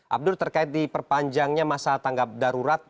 abdur terkait di perpanjangnya masa tanggap darurat